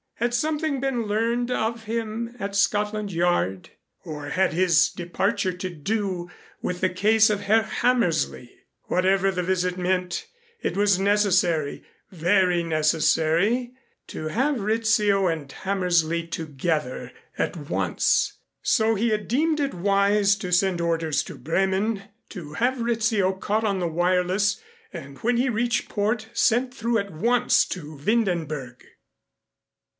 Had something been learned of him at Scotland Yard? Or had his departure to do with the case of Herr Hammersley? Whatever the visit meant, it was necessary, very necessary, to have Rizzio and Hammersley together at once, so he had deemed it wise to send orders to Bremen to have Rizzio caught on the wireless and when he reached port sent through at once to Windenberg.